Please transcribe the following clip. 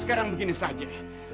sekarang begini saja